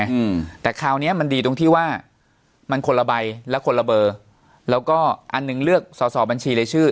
อืมแต่คราวเนี้ยมันดีตรงที่ว่ามันคนละใบและคนละเบอร์แล้วก็อันหนึ่งเลือกสอสอบัญชีรายชื่อ